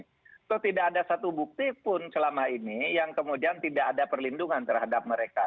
atau tidak ada satu bukti pun selama ini yang kemudian tidak ada perlindungan terhadap mereka